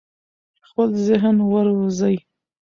خپل ذهن وروزی.